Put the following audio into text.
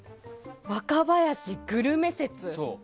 若林グルメ説。